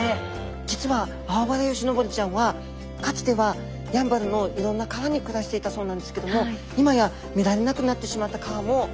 実はアオバラヨシノボリちゃんはかつてはやんばるのいろんな川に暮らしていたそうなんですけども今や見られなくなってしまった川もあるんですね。